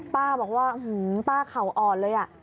ป้าบอกว่าป้าเข่าอ่อนเลย